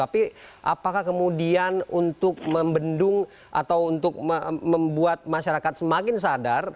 tapi apakah kemudian untuk membendung atau untuk membuat masyarakat semakin sadar